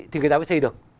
thì người ta mới xây được